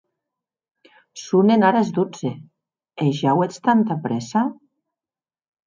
Sonen ara es dotze, e ja auetz tanta prèssa?